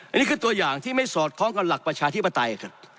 อันนี้คือตัวอย่างที่ไม่สอดคล้องกับหลักประชาธิปไตยครับ